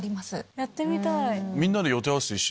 やってみたい！